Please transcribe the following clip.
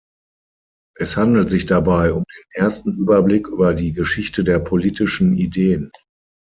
Es handelt sich dabei um den ersten Überblick über die Geschichte der politischen Ideen.